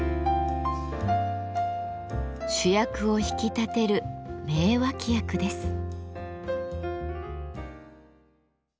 主役を引き立てる名脇役です。